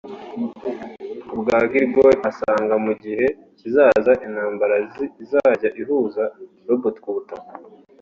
Kubwa Grigoriev asanga mu gihe kizaza intambaza izajya ihuza Robots ku butaka